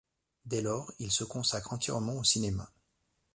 Dès lors, il se consacre entièrement au cinéma.